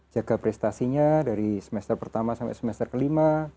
jaga prestasinya dari semester pertama sampai semester kelima